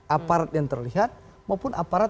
aparat yang terlihat maupun aparat